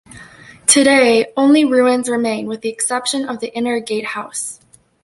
Today only ruins remain with the exception of the Inner Gatehouse.